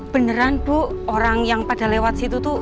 beneran bu orang yang pada lewat situ tuh